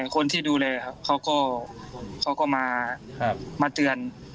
คนที่ดูแลครับเขาก็มาเตือน